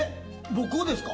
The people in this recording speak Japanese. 僕をですか？